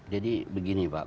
jadi begini pak